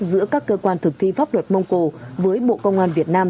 giữa các cơ quan thực thi pháp luật mông cổ với bộ công an việt nam